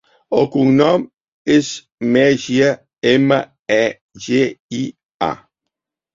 El cognom és Megia: ema, e, ge, i, a.